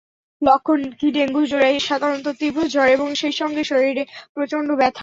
লক্ষণ কীডেঙ্গুজ্বরে সাধারণত তীব্র জ্বর এবং সেই সঙ্গে শরীরে প্রচণ্ড ব্যথা হয়।